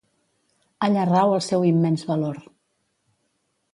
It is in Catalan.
Allà rau el seu immens valor.